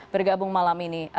bergabung malam ini